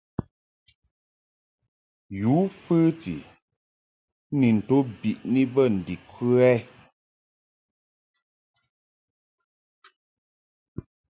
Yǔ fəti ni nto biʼni bə ndikə ɛ ?